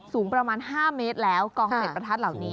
สูงประมาณ๕เมตรแล้วกองเสร็จประทัดเหล่านี้